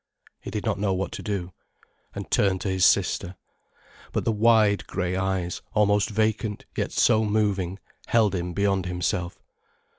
He did not know what to do, and turned to his sister. But the wide grey eyes, almost vacant yet so moving, held him beyond himself.